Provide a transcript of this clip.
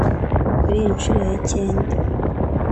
Kuri iyi nshuro ya cyenda